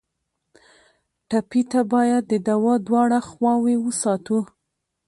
ټپي ته باید د دوا دواړه خواوې وساتو.